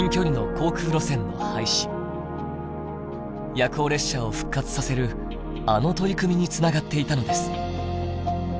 夜行列車を復活させるあの取り組みにつながっていたのです。